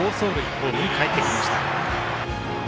ホームにかえってきました。